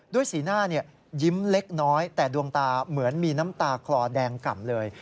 สีหน้ายิ้มเล็กน้อยแต่ดวงตาเหมือนมีน้ำตาคลอแดงก่ำเลย